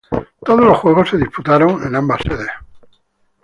Todos los juegos se disputaron en ambas sedes.